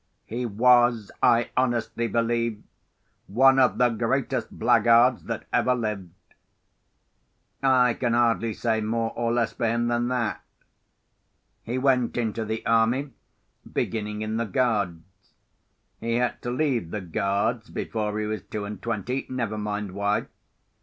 He was, I honestly believe, one of the greatest blackguards that ever lived. I can hardly say more or less for him than that. He went into the army, beginning in the Guards. He had to leave the Guards before he was two and twenty—never mind why.